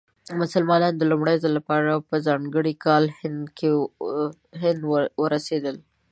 مسلمانان د لومړي ځل لپاره په ځانګړي کال هند ورسېدل.